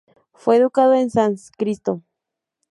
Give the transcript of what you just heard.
Fue educado en sánscrito.